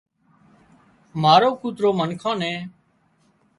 مارو ڪوترو منکان نين